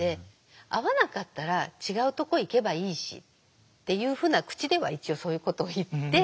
「合わなかったら違うとこ行けばいいし」っていうふうな口では一応そういうことを言って。